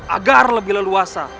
agar lebih leluasa